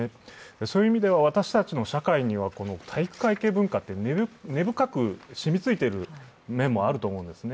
そういう意味では私たちの社会には体育会系文化が根深く染みついている面もあると思うんですね。